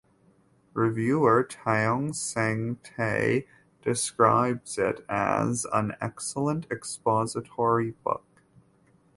Reviewer Tiong Seng Tay describes it as "an excellent expository book".